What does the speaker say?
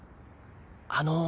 あの。